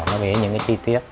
nó vẽ những cái chi tiết